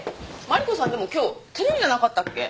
マリコさんでも今日テレビじゃなかったっけ？